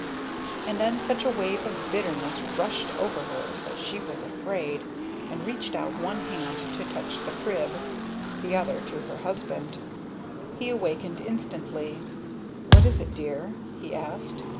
and then such a wave of bitterness rushed over her that she was afraid, and reached out one hand to touch the crib the other to her husband. He awakened instantly. "What is it, Dear?" he asked.